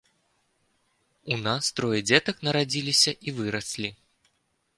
У нас трое дзетак нарадзіліся і выраслі.